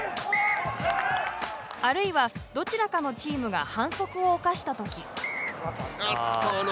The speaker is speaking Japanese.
あるいは、どちらかのチームが反則を犯したとき。